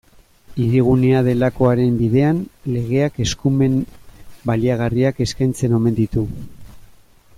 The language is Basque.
Hirigunea delakoaren bidean, legeak eskumen baliagarriak eskaintzen omen ditu.